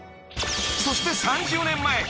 ［そして３０年前］